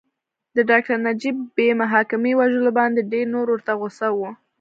د ډاکټر نجیب بې محاکمې وژلو باندې ډېر نور ورته غوسه وو